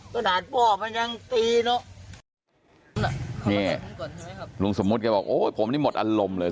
ขนาดพ่อมันยังตีเนอะนี่ลุงสมมุติแกบอกโอ้ยผมนี่หมดอารมณ์เลย